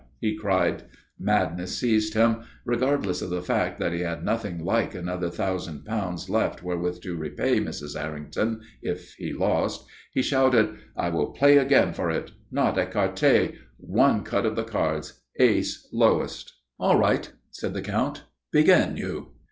he cried. Madness seized him. Regardless of the fact that he had nothing like another thousand pounds left wherewith to repay Mrs. Errington if he lost, he shouted: "I will play again for it. Not ecarté. One cut of the cards. Ace lowest." "All right," said the Count. "Begin, you."